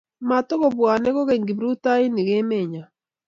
matukubwoni kokeny kiprutoinik emet nyo